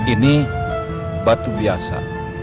ini batu biasa